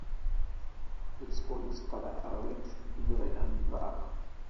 The squad's colors are red, grey and black.